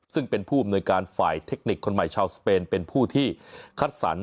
ซึ่งเป็นผู้อำนวยการฝ่ายเทคนิคคนใหม่ชาวสเปนเป็นผู้ที่คัดสรร